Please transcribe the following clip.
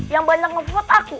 yang banyak ngevote aku